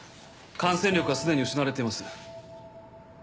感染力は既に失われています。